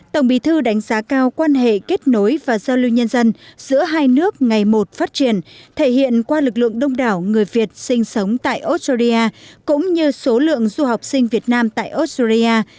tổng bí thư đánh giá cao quan hệ kết nối và giao lưu nhân dân giữa hai nước ngày một phát triển thể hiện qua lực lượng đông đảo người việt sinh sống tại australia cũng như số lượng du học sinh việt nam tại australia